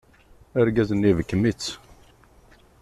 Argaz-nni ibekkem-itt.